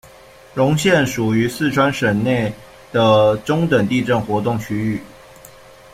荣县属于四川省内的中等地震活动区域。